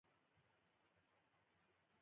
د نصیحت ارزښت د عمل په کولو کې ښکاري.